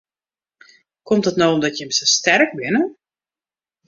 Komt it no omdat jim sa sterk binne?